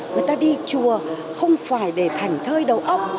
người ta đi chùa không phải để thành thơi đầu óc